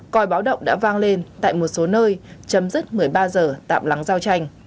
coi báo động đã vang lên tại một số nơi chấm dứt một mươi ba giờ tạm lắng giao tranh